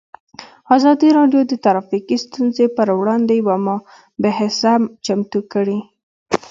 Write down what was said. ازادي راډیو د ټرافیکي ستونزې پر وړاندې یوه مباحثه چمتو کړې.